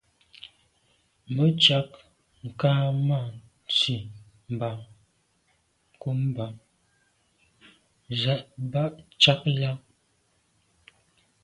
Me tshag nka’ ma’ nsi mban kum ba’ z’a ba tsha là.